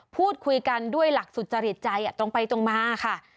พูดคุยกันด้วยหลักสุจริตใจตรงไปตรงมาค่ะ